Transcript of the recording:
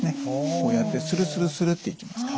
こうやってスルスルスルっていきます。